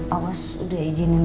awas udah izinin tadi